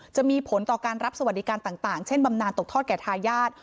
จะมีผลต่อการรับสวัสดิการต่างเช่นบำนานตกทอดแก่ทายาท